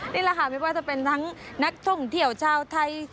นี่แหละค่ะไม่ว่าจะเป็นทั้งนักท่องเที่ยวชาวไทย